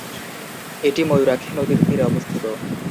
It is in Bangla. এটি ময়ূরাক্ষী নদীর তীরে অবস্থিত।